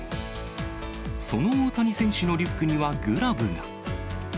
その大谷選手のリュックにはグラブが。